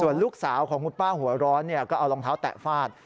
ลูกสาวของคุณป้าหัวร้อนก็เอารองเท้าแตะฟาด